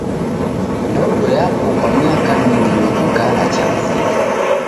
Ndodo yapo kwa miaka mingi ni kugala cha mzinyi.